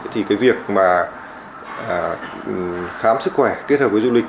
thì cái việc mà khám sức khỏe kết hợp với du lịch